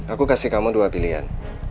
aku kasih kamu dua pilihan